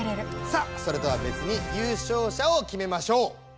さあそれとはべつに優勝者を決めましょう。